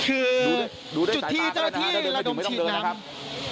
คือจุดที่เจ้าหน้าที่ระดมฉีดน้ำ